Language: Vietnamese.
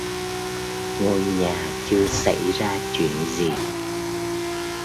ngôi nhà chưa xảy ra chuyện gì